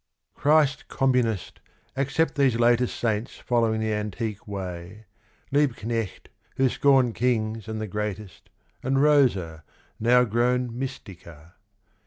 CHRIST Communist, accept these latest Saints following the antique way, Liebknecht, who scorned kings and the greatest, And Rosa, now grown " mystica."